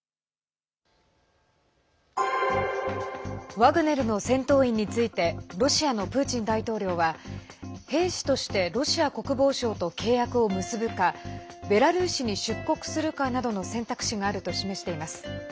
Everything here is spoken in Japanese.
ワグネルの戦闘員についてロシアのプーチン大統領は兵士としてロシア国防省と契約を結ぶかベラルーシに出国するかなどの選択肢があると示しています。